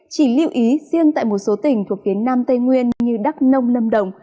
chỉ lưu ý riêng tại một số tỉnh thuộc phía nam tây nguyên như đắk nông lâm đồng